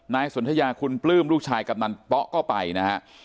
นายสนทยาคุณปลื้มลูกชายกำนันป๋อก็ไปนะครับ